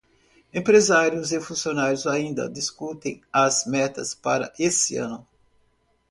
Empresários e funcionários ainda discutem as metas para esse ano.